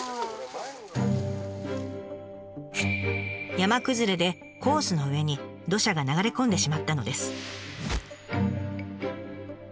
山崩れでコースの上に土砂が流れ込んでしまったのです。